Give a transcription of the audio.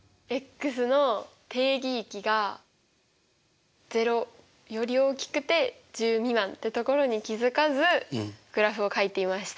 の定義域が０より大きくて１０未満ってところに気付かずグラフをかいていました。